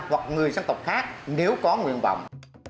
hoặc người dân tộc khác nếu có nguyện vọng